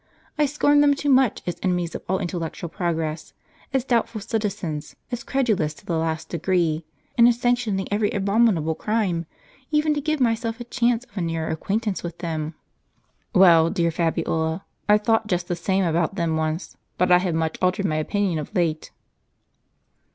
I scorn them too much, as enemies of all intellectual progress, as doubtful citizens, as credulous to the last degree, and as sanctioning every abominable crime, ever to give myself a chance of a nearer acquaintance with them." "Well, dear Fabiola, I thought just the same about them once, but I have much altered my opinion of late."